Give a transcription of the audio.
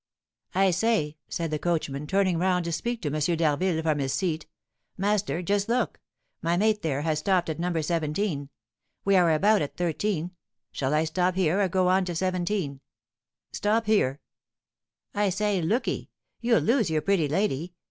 "I say," said the coachman, turning round to speak to M. d'Harville from his seat, "master, just look. My mate, there, has stopped at No. 17; we are about at 13. Shall I stop here or go on to 17?" "Stop here." "I say, look'ee, you'll lose your pretty lady.